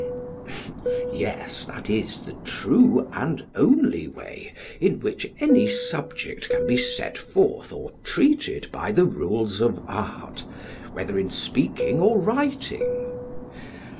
SOCRATES: Yes, that is the true and only way in which any subject can be set forth or treated by rules of art, whether in speaking or writing.